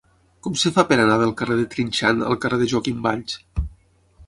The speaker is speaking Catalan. Com es fa per anar del carrer de Trinxant al carrer de Joaquim Valls?